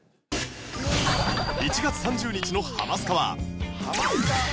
１月３０日の『ハマスカ』は